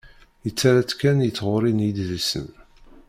Yettarra-tt kan i tɣuri n yidlisen.